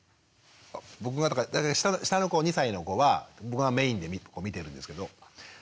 下の子２歳の子は僕がメインで見てるんですけど。